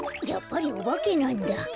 やっぱりオバケなんだ。